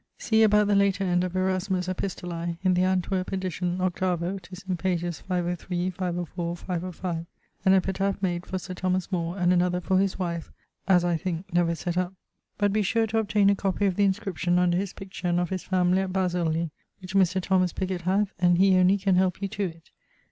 ☞ See about the later end of Erasmus' Epistolae (in the Antverp edition, 8vo, 'tis in pagg. 503, 504, 505) an epitaph made for Sir Thomas More, and another for his wife (as I thinke, never set up). But be sure to obtaine a copie of the inscription under his picture and of his family at Basilleigh, which Mr. Thomas Pigot hath, and he only can help you to it.